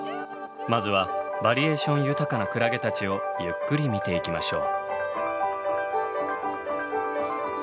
まずはバリエーション豊かなクラゲたちをゆっくり見ていきましょう。